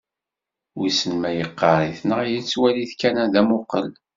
Wisen ma yeqqar-it neɣ yettwali-t kan d amuqel.